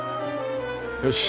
よし！